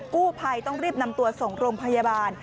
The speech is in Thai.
กู้ภัยต้องรีบนำตัวส่งโรงพยาบาล